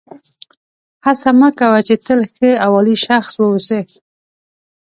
هڅه مه کوه چې تل ښه او عالي شخص واوسې.